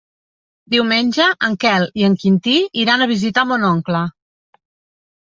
Diumenge en Quel i en Quintí iran a visitar mon oncle.